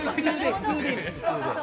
普通でいいんです。